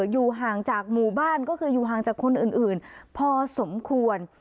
อยู่ห่างจากหมู่บ้านก็คืออยู่ห่างจากคนอื่นพอสมควร